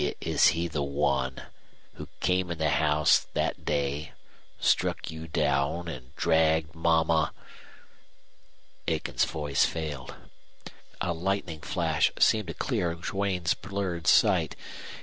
"Is he the one who came in the house that day struck you down and dragged mama ?" Aiken's voice failed. A lightning flash seemed to clear Duane's blurred sight.